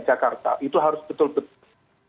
jakarta itu harus betul betul